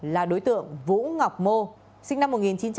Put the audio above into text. là đối tượng vũ ngọc mô sinh năm một nghìn chín trăm tám mươi